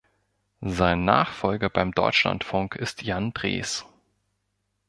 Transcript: Sein Nachfolger beim Deutschlandfunk ist Jan Drees.